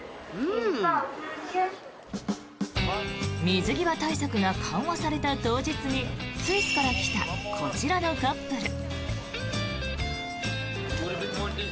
水際対策が緩和された当日にスイスから来たこちらのカップル。